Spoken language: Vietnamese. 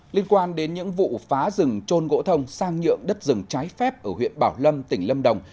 liên quan đến những vụ phá rừng trôn gỗ thông sang nhượng đất rừng trái phép ở huyện bảo lâm tỉnh lâm đồng